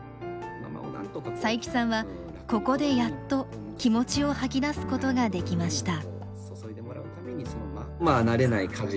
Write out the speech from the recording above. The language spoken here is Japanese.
佐伯さんはここでやっと気持ちを吐き出すことができました。